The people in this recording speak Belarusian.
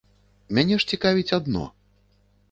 Мяне ж цікавіць адно.